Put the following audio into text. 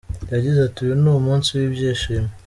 Yagize ati” Uyu ni umunsi w’ibyishimo.